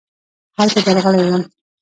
هلته درغلی وم .